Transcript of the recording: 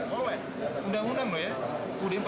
boleh undang undang loh ya ud empat puluh lima